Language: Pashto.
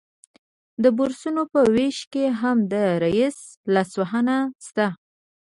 د بورسونو په ویش کې هم د رییس لاسوهنه شته